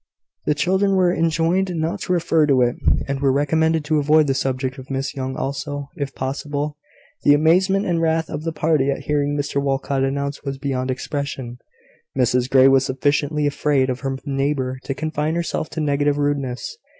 The children were enjoined not to refer to it, and were recommended to avoid the subject of Miss Young also, if possible. The amazement and wrath of the party at hearing Mr Walcot announced was beyond expression. Mrs Grey was sufficiently afraid of her neighbour to confine herself to negative rudeness.